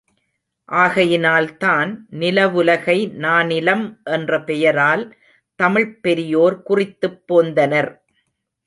ஆகையினால்தான் நிலவுலகை நானிலம் என்ற பெயரால் தமிழ்ப் பெரியோர் குறித்துப் போந்தனர்.